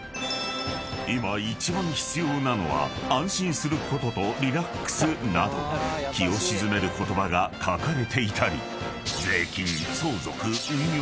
［「今いちばん必要なのは安心することとリラックス」など気を静める言葉が書かれていたり税金相続運用